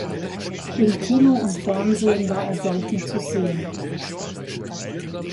In Kino und Fernsehen war er selten zu sehen.